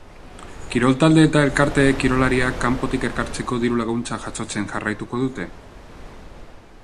Kirol talde eta elkarteek kirolariak kanpotik ekartzeko diru-laguntzak jasotzen jarraituko dute?